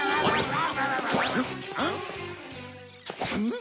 ん？